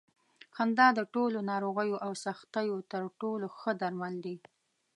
خندا د ټولو ناروغیو او سختیو تر ټولو ښه درمل دي.